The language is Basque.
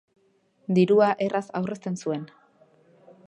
Dirua erraz aurrezten zuen.